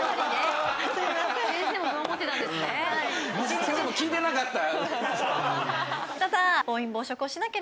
先生も聞いてなかった。